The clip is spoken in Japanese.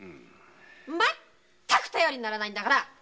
全く頼りにならないんだから！